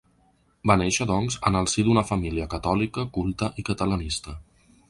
Va néixer, doncs, en el si d’una família catòlica, culta i catalanista.